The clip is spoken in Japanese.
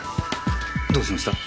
どうしました？